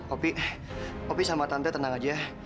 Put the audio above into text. opi opi sama tante tenang aja ya